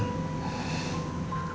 karena aku bucin banget sama andin